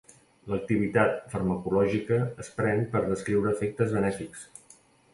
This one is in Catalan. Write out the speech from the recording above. L'activitat farmacològica es pren per descriure efectes benèfics.